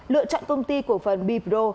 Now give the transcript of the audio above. lựa chọn công ty của phần bipro